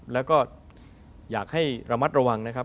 แล้วก็อยากให้ระมัดระวังนะครับ